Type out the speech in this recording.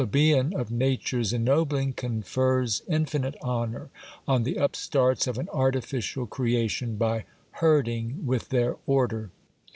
267 beian of nature's ennobling confers infinite honour on the upstarts of an artificial creation, by herding with their order.